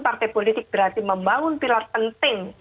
partai politik berarti membangun pilar penting